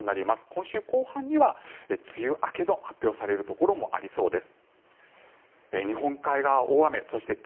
今週後半には梅雨明けの発表されるところもありそうです。